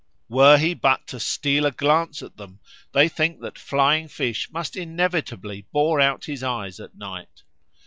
Were he but to steal a glance at them, they think that flying fish must inevitably bore out his eyes at night.